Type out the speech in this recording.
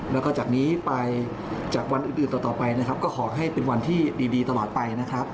แล้วก็จากนี้ไปจากวันอื่นต่อไปนะครับก็ขอให้เป็นวันที่ดีตลอดไปนะครับ